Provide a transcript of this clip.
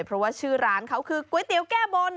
เพราะว่าชื่อร้านเขาคือก๋วยเตี๋ยวแก้บน